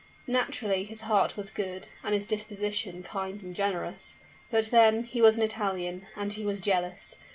Naturally his heart was good, and his disposition kind and generous but, then, he was an Italian and he was jealous!